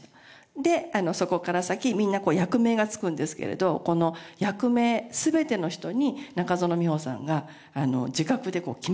でそこから先みんな役名がつくんですけれどこの役名全ての人に中園ミホさんが字画で決めていくんですよ。